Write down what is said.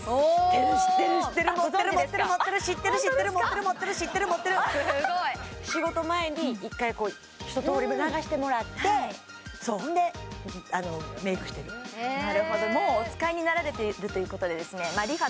知ってる知ってる知ってる持ってる持ってる持ってる仕事前に一回ひととおり流してもらってほんでメイクしてるなるほどもうお使いになられてるということでですねＲｅＦａ